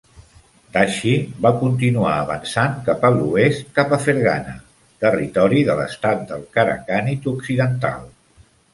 Dashi va continuar avançant cap a l'oest cap a Ferghana, territori de l'estat del Karakhanid Occidental.